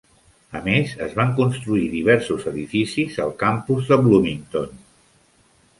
A més, es van construir diversos edificis al campus de Bloomington.